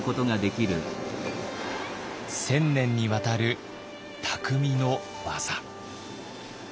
１，０００年にわたる匠の技。